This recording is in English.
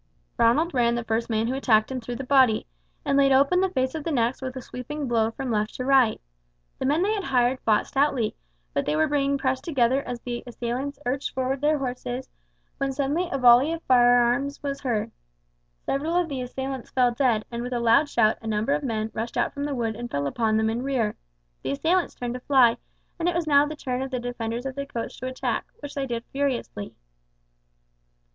Ronald ran the first man who attacked him through the body, and laid open the face of the next with a sweeping blow from left to right. The men they had hired fought stoutly; but they were being pressed together as the assailants urged forward their horses, when suddenly a volley of firearms was heard. Several of the assailants fell dead, and with a loud shout a number of men rushed out from the wood and fell upon them in rear. The assailants turned to fly, and it was now the turn of the defenders of the coach to attack, which they did furiously.